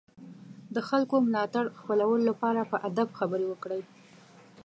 د خلکو ملاتړ خپلولو لپاره په ادب خبرې وکړئ.